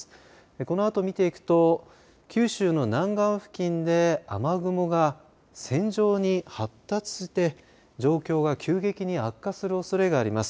このあと見ていくと九州の南岸付近で雨雲が線状に発達して状況が急激に悪化するおそれがあります。